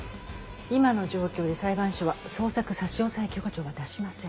今の状況で裁判所は捜索差押許可状は出しません。